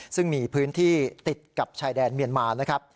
ซึ่งมีพื้นที่ติดกับชายแดนเมียนมานะครับ